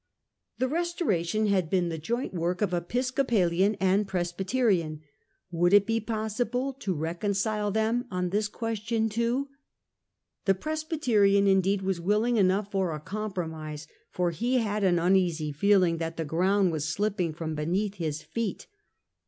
' The Restoration had been the joint work of Episcopalian and Presbyterian ; would it be possible to reconcile them on this question too ? The Presbyterian indeed was willing enough for a compromise, for he had 92 Restoration of Monarchy in England ' 1660. an uneasy feeling that the ground was slipping from beneath his feet.